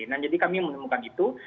nah jadi kami menemukan itu